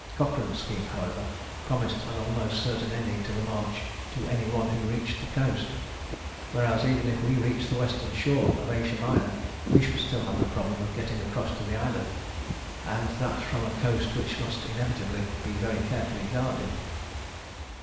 Cochrane's scheme, however, promised an almost certain ending to the march to any one who reached the coast; whereas, even if we reached the western shore of Asia Minor, we should still have the problem of getting across to the island, and that from a coast which must inevitably be very carefully guarded.